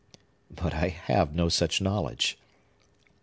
But I have no such knowledge."